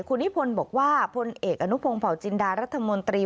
คุณนิพนธ์บอกว่าพลเอกอนุพงศ์เผาจินดารัฐมนตรี